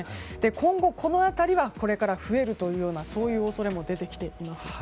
今後この辺りはこれから増えるというような恐れも出てきています。